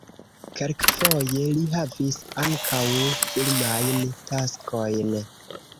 Kelkfoje li havis ankaŭ filmajn taskojn.